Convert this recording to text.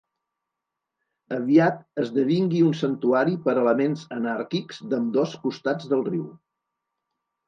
Aviat esdevingui un santuari per elements anàrquics d'ambdós costats del riu.